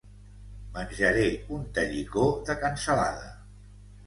Menjaré un tallicó de cansalada.